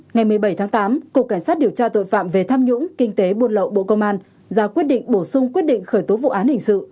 ngày một mươi bảy tháng tám cục cảnh sát điều tra tội phạm về tham nhũng kinh tế buôn lậu bộ công an ra quyết định bổ sung quyết định khởi tố vụ án hình sự